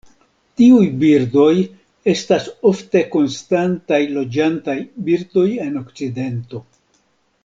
Tiuj birdoj estas ofte konstantaj loĝantaj birdoj en okcidento.